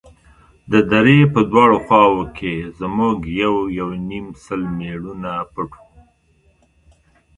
د درې په دواړو خواوو کښې زموږ يو يونيم سل مېړونه پټ وو.